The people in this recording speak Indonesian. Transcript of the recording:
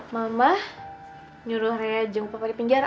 mama nyuruh rea jemput papa di penjara